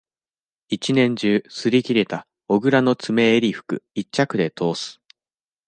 一年中、擦り切れた、小倉の詰めえり服、一着でとおす。